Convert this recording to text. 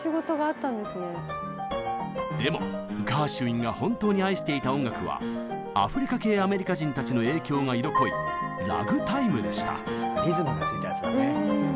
でもガーシュウィンが本当に愛していた音楽はアフリカ系アメリカ人たちの影響が色濃いリズムがついたやつだね。